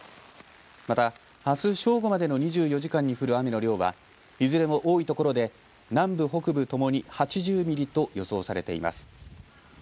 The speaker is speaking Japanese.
またあす正午までの２４時間に降る雨の量はいずれも多いところで南部北部ともに８０ミリと予想されています。